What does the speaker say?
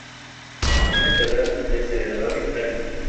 Tiene pedal de acelerador y freno.